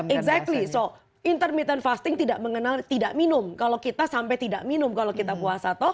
exactly so intermittent fasting tidak mengenal tidak minum kalau kita sampai tidak minum kalau kita puasa